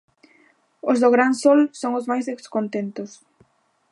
Os do Gran Sol son os máis descontentos.